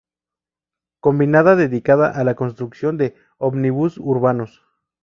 Combinada dedicada a la construcción de ómnibus urbanos.